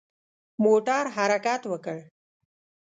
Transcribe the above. موټر حرکت وکړ.